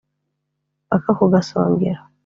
Mpaka ku gasongero